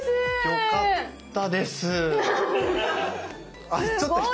よかったです。